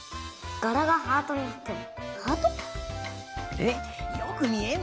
がらがハートになってる。